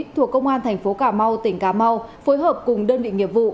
thuộc công an thành phố cà mau tỉnh cà mau phối hợp cùng đơn vị nghiệp vụ